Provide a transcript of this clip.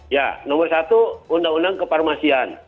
ya nomor satu undang undang kefarmasian